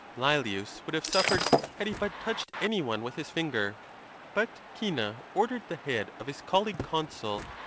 Leelius would have suffered had he but touched any one with his finger; but Cinna ordered the head of his colleague consul, Cn.